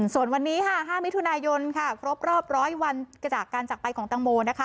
ส่วนวันนี้๕มิถุนายนครบรอบ๑๐๐วันจากการจักรไปของเต้งโม